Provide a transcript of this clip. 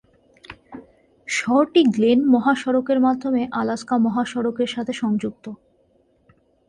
শহরটি গ্লেন মহাসড়কের মাধ্যমে আলাস্কা মহাসড়কের সাথে সংযুক্ত।